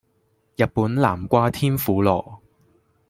日本南瓜天婦羅